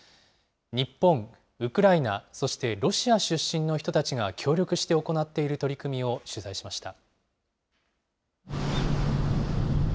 日本、ウクライナ、そしてロシア出身の人たちが協力して行っている取り組みを取材しました。